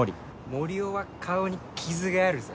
森生は顔に傷があるぞ。